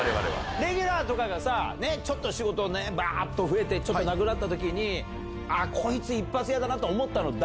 レギュラーとかがさ、ちょっと仕事をね、ばーっと増えて、ちょっとなくなったときに、ああ、こいつ一発屋だと思ったの誰？